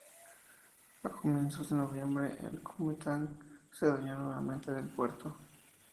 A comienzos de noviembre, el Kuomintang se adueñó nuevamente del puerto.